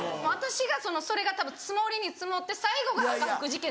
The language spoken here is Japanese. それがたぶん積もりに積もって最後が赤福事件だった。